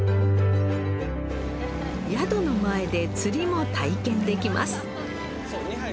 宿の前で釣りも体験できます